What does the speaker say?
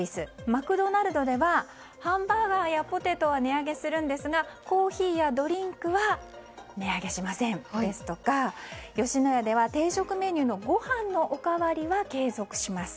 マクドナルドではハンバーガーやポテトは値上げするんですがコーヒーやドリンクは値上げしません、ですとか吉野家では定食メニューのごはんのおかわりは継続します。